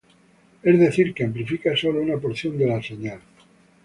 Es decir, que amplifica solo una porción de la señal.